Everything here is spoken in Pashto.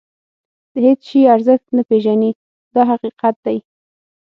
د هېڅ شي ارزښت نه پېژني دا حقیقت دی.